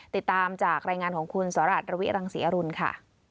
ติดตามจากรายงานของคุณสหรัฐระวิรังศรีอรุณค่ะ